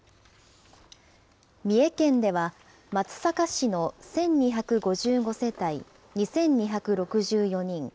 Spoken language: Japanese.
三重県では、松阪市の１２５５世帯２２６４人。